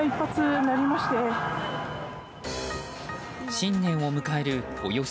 新年を迎えるおよそ